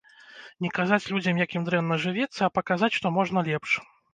Не казаць людзям, як ім дрэнна жывецца, а паказаць, што можна лепш.